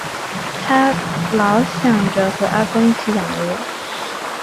她老著想和阿公一起养鹅